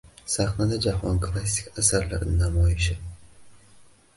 Sahnada jahon klassik asarlari namoyishi